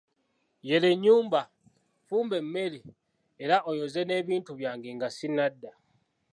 Yere ennyumba, fumba emmere, era oyoze n'ebintu byange nga sinnadda.